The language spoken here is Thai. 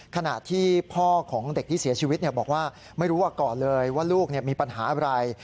ขณะที่พ่อของเด็กที่เสียชีวิตบอกว่าไม่รู้ว่าก่อนเลยว่าลูกมีปัญหาอะไร